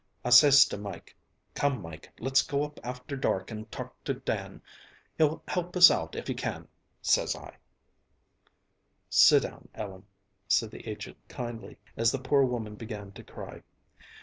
I says to Mike: 'Come, Mike, let's go up after dark and tark to Dan; he'll help us out if he can,' says I " "Sit down, Ellen," said the agent kindly, as the poor woman began to cry.